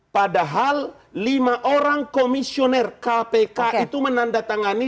padahal lima orang komisioner kpk itu menandatangani